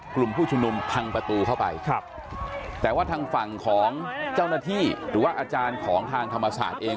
กลุ่มผู้ชุมนุมพังประตูเข้าไปครับแต่ว่าทางฝั่งของเจ้าหน้าที่หรือว่าอาจารย์ของทางธรรมศาสตร์เอง